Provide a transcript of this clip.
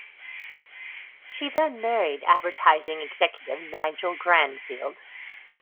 She then married advertising executive Nigel Grandfield.